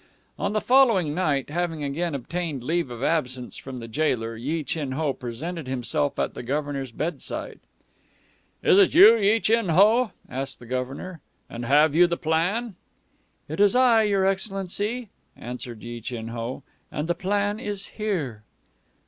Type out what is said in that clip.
On the following night, having again obtained leave of absence from the jailer, Yi Chin Ho presented himself at the Governor's bedside. "Is it you, Yi Chin Ho?" asked the Governor. "And have you the plan?" "It is I, your excellency," answered Yi Chin Ho, "and the plan is here."